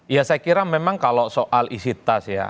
ya saya kira memang kalau soal isi tas ya